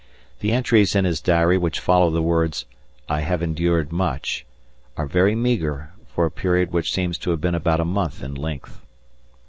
The entries in his diary which follow the words "I have endured much," are very meagre for a period which seems to have been about a month in length.